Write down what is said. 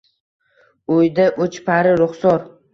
Uyda uch pari ruxsor